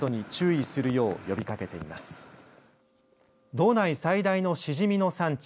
道内最大のシジミの産地